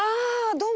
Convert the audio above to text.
どうも。